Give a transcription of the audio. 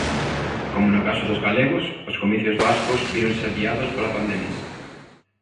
Como no caso dos galegos, os comicios vascos víronse adiados pola pandemia.